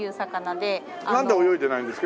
なんで泳いでないんですか？